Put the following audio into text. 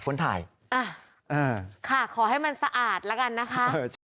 ขอให้มันสะอาดแล้วกันนะคะ